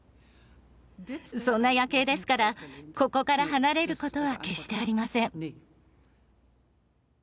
そんな「夜警」ですからここから離れることは決してありません。